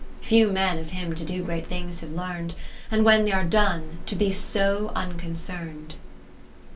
Few men of him to do great things have learn'd. And when th' are done, to be so unconcern'd.